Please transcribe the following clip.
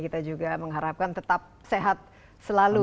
kita juga mengharapkan tetap sehat selalu